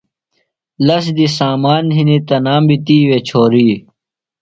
لس دی سامان بیۡ ہنِیۡ، تنام بیۡ تِیوے چھوریۡ